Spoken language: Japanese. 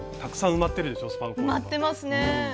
埋まってますね。